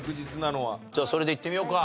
じゃあそれでいってみようか。